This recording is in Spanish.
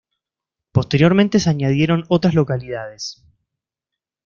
Posteriormente se añadieron otras localidades.